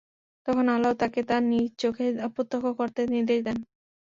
তখন আল্লাহ্ তাকে তা নিজ চোখে প্রত্যক্ষ করতে নির্দেশ দেন।